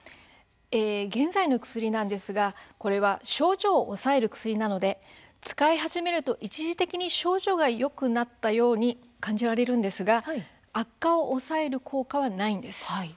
現在の薬はこれは症状を抑える薬なので使い始めると一時的に症状がよくなったように感じられるんですが悪化を抑える効果はないんです。